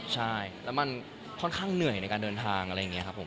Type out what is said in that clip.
ใช่แล้วมันค่อนข้างเหนื่อยในการเดินทางอะไรอย่างนี้ครับผม